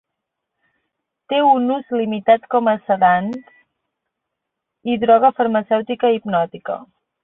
Té un ús limitat com a sedant i droga farmacèutica hipnòtica.